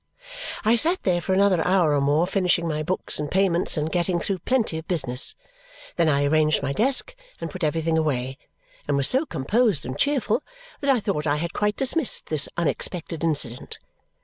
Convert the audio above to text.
I sat there for another hour or more, finishing my books and payments and getting through plenty of business. Then I arranged my desk, and put everything away, and was so composed and cheerful that I thought I had quite dismissed this unexpected incident.